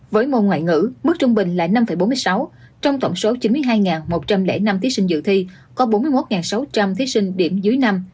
với môn ngoại ngữ mức trung bình là năm bốn mươi sáu trong tổng số chín mươi hai một trăm linh năm thí sinh dự thi có bốn mươi một sáu trăm linh thí sinh điểm dưới năm